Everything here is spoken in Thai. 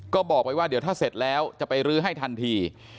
ก็บอกไปว่าเดี๋ยวถ้าเสร็จแล้วจะไปรื้อให้ทันที